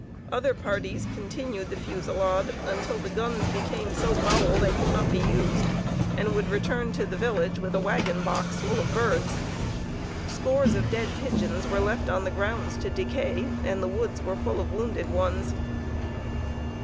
Other parties continued the fusillade until the guns became so foul they could not be used, and would return to the village with a wagon box full of birds. Scores of dead pigeons were left on the grounds to decay, and the woods were full of wounded ones.